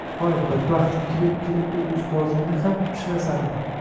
Hoy, badbaxt! Kelib-kelib o’z ustozingniham shilasanmi?